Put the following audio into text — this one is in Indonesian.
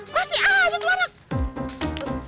masih aja tuh anak